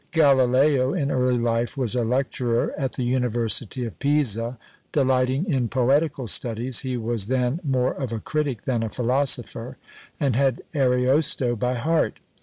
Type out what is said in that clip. Galileo, in early life, was a lecturer at the university of Pisa: delighting in poetical studies, he was then more of a critic than a philosopher, and had Ariosto by heart.